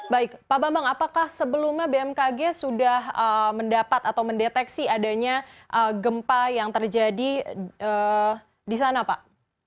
baik pak bambang apakah sebelumnya bmkg sudah mendapat atau mendeteksi adanya gempa yang terjadi di sana pak